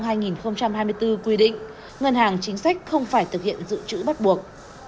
điều hai mươi ba luật tổ chức tiến dụng hai nghìn hai mươi bốn quy định ngân hàng chính sách không phải thực hiện dự trữ bắt buộc